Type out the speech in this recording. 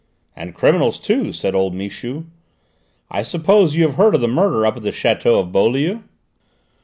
"And criminals, too," said old Michu. "I suppose you have heard of the murder up at the château of Beaulieu?"